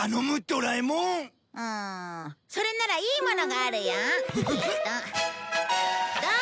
うーんそれならいいものがあるよ。